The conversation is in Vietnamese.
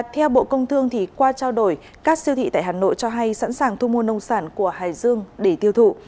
theo bộ công thương qua trao đổi các siêu thị tại hà nội cho hay sẵn sàng thu mua nông sản của hải dương để tiêu thụ